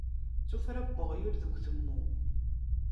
D tuffra n uɣyul deg utemmu.